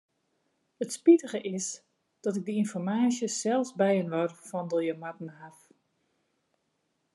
It spitige is dat ik dy ynformaasje sels byinoar fandelje moatten haw.